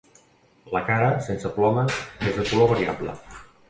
La cara, sense plomes, és de color variable.